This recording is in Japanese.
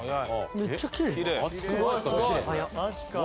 めっちゃきれい。